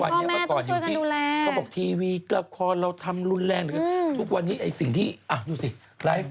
อยู่ที่พ่อแม่ต้องช่วยกันดูแล